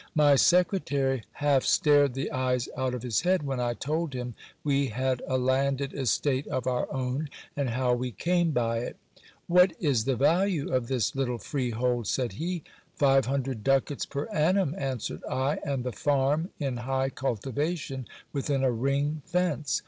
My secretary half stared the eyes out of his head, when I told him we had a landed estate of our own, and how we came by it. What is the value of this little freehold ? said he. Five hundred ducats per annum, answered I, and the farm in high cultivation, within a ring fence.